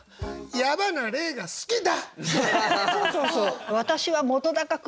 矢花が好きだ。